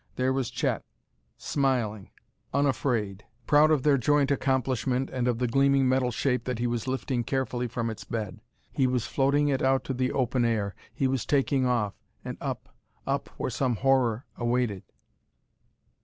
There was Chet, smiling, unafraid, proud of their joint accomplishment and of the gleaming metal shape that he was lifting carefully from its bed. He was floating it out to the open air; he was taking off, and up up where some horror awaited.